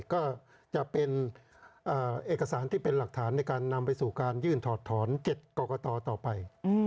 ก็จะเป็นเอกสารที่เป็นหลักฐานในการนำไปสู่การยื่นถอดถอน๗กรกตต่อไป